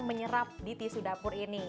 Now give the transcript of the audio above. menyerap di tisu dapur ini